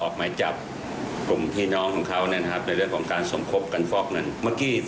๔๐บัญชีนะคะเบื้องต้นตอนนี้